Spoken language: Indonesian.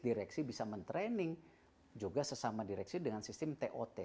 direksi bisa mentraining juga sesama direksi dengan sistem tot